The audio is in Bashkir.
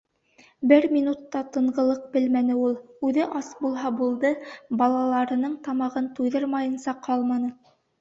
Бер минут та тынғылыҡ белмәне ул. Үҙе ас булһа булды, балаларының тамағын туйҙырмайынса ҡалманы.